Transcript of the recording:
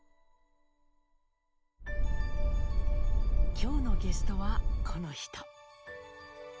今日のゲストはこの人。